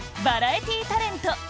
バラエティータレント